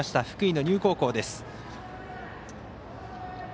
福井の丹生高校です。